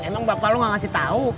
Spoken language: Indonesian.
emang bapak lu gak ngasih tahu